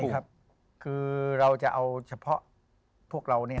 ครับคือเราจะเอาเฉพาะพวกเรา